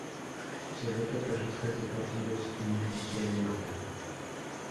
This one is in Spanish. Se vota por listas de partidos, en una sola vuelta.